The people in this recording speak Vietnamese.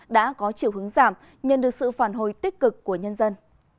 đã có chiều hướng giảm nhận được sự phản hồi tích cực của nhân dân